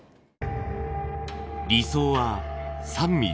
理想は３ｍｍ。